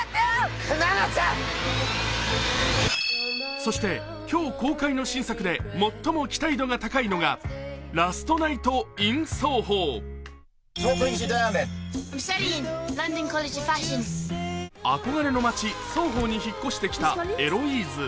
そして今日公開の新作で最も期待度が高いのが「ラストナイト・イン・ソーホー」憧れの街、ソーホーに引っ越してきたエロイーズ。